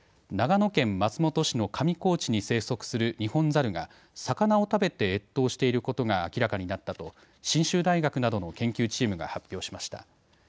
長野県松本市の上高地に生息するニホンザルが魚を食べて越冬していることが明らかになったと信州大学などの研究チームが発表しました。